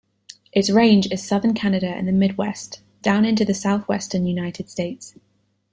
Its range is southern Canada and the midwest, down into the southwestern United States.